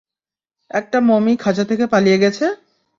একটা মমি খাঁচা থেকে পালিয়ে গেছে!